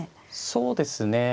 そうですね。